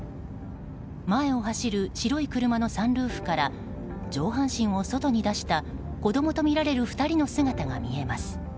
前を走る白い車のサンルーフから上半身を外に出した子供とみられる２人の姿が見えます。